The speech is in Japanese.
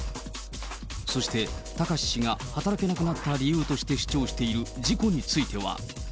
そして、貴志氏が働けなくなった理由として主張している事故については。